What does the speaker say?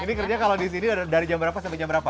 ini kerja kalau di sini dari jam berapa sampai jam berapa